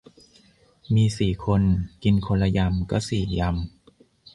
มีสี่คน กินคนละยำก็สี่ยำ